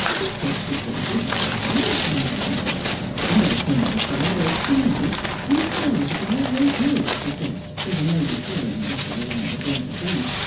The 'Piscopals is s' sty lish, Ma,' she sez ;' an' they pernounce their words s' nice, an' the prayers is all wrote out,' she sez, * so you know b'forehan' jest how long they're goin' t' be.'